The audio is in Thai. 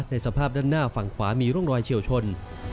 สภาพด้านหน้าฝั่งขวามีร่องรอยเฉียวชน